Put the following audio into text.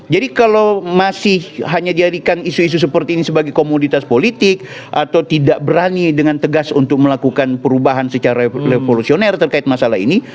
jadi kalau masih hanya diadakan isu isu seperti ini sebagai komoditas politik atau tidak berani dengan tegas untuk melakukan perubahan secara revolusioner terkait masalah ini